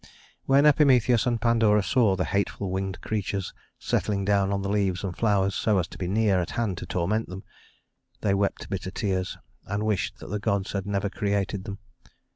When Epimetheus and Pandora saw the hateful winged creatures settling down on the leaves and flowers so as to be near at hand to torment them, they wept bitter tears and wished that the gods had never created them.